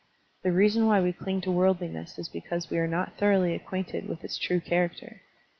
The reason why we cling to worldliness is because we are not thoroughly acquainted with its true character.